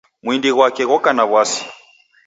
Mwindi ghwake ghoko na wasi